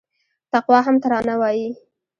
تقوا هم ترانه وايي